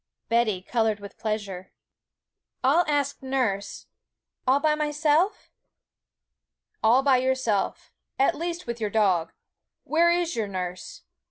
Betty coloured with pleasure. 'I'll ask nurse. All by myself?' 'All by yourself at least with your dog. Where is your nurse?